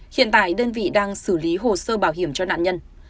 hiện tại đơn vị đang xử lý hồ sơ bảo hiểm cho nạn nhân